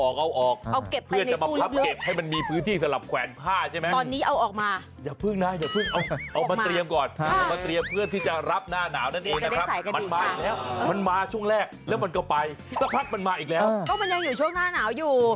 ก็มันยังอยู่ช่วงหน้าหนาวอยู่